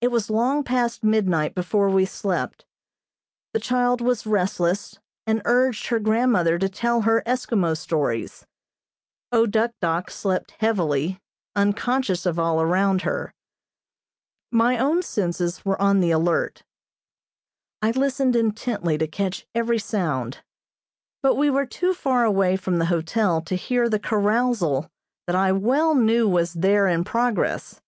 It was long past midnight before we slept. The child was restless, and urged her grandmother to tell her Eskimo stories. O Duk Dok slept heavily, unconscious of all around her. My own senses were on the alert. I listened intently to catch every sound, but we were too far away from the hotel to hear the carousal that I well knew was there in progress.